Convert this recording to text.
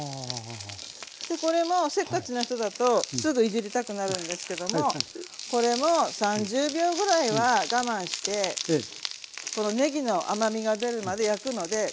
そしてこれもせっかちな人だとすぐいじりたくなるんですけどもこれも３０秒ぐらいは我慢してこのねぎの甘みが出るまで焼くのでちょっと我慢して下さい。